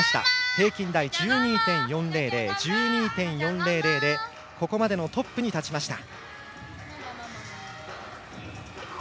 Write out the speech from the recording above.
平均台、１２．４００でここまでのトップに立ちました。